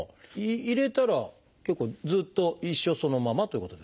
入れたら結構ずっと一生そのままっていうことですか？